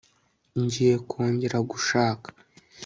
ngiye kongera gushaka